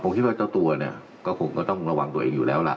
ผมคิดว่าเจ้าตัวเนี่ยก็คงก็ต้องระวังตัวเองอยู่แล้วล่ะ